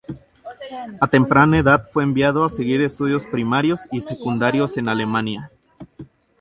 A temprana edad fue enviado a seguir estudios primarios y secundarios en Alemania.